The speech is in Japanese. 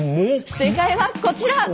正解はこちら！